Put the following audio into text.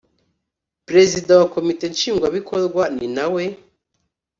perezida wa komite nshingwabikorwa ni na we